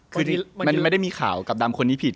คือที่มันไม่ได้มีข่าวกับดำคนนี้ผิด